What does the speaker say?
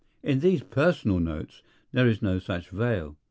In these personal notes there is no such veil.